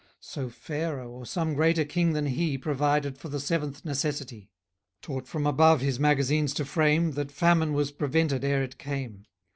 So Pharaoh, or some greater king than he, Provided for the seventh necessity; Taught from above his magazines to frame, That famine was prevented ere it came.